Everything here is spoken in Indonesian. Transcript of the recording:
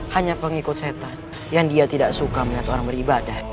hanya pengikut setan yang dia tidak suka melihat orang beribadah